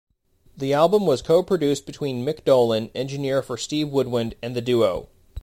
The album was co-produced between Mick Dolan, engineer for Steve Winwood, and the duo.